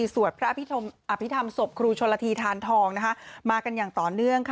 สวดพระอภิษฐรรมศพครูชนละทีทานทองมากันอย่างต่อเนื่อง